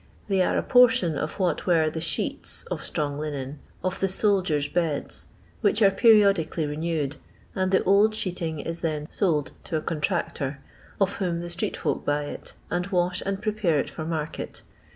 They are a portion of what were the sheets (of strong linen) of the soldiers' beds, which are periodically renewed, nnd the old sheet ing is then sold to a contractor, of whom the street folk buy it, and wash and prepare it for u'arket.